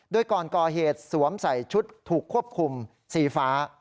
โดยก่อนก่อเหตุสวมใส่ชุดถูกควบคุมสีฟ้า